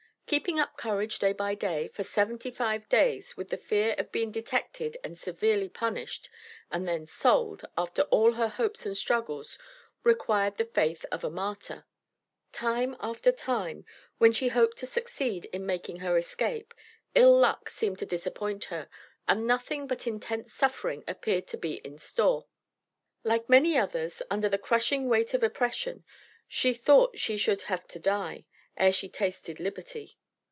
Keeping up courage day by day, for seventy five days, with the fear of being detected and severely punished, and then sold, after all her hopes and struggles, required the faith of a martyr. Time after time, when she hoped to succeed in making her escape, ill luck seemed to disappoint her, and nothing but intense suffering appeared to be in store. Like many others, under the crushing weight of oppression, she thought she "should have to die" ere she tasted liberty.